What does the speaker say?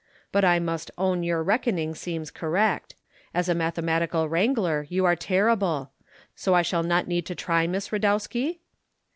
"But I must own your reckoning seems correct. As a mathematical wrangler you are terrible. So I shall not need to try Miss Radowski?"